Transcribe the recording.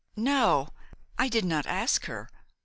"No. I did not ask her.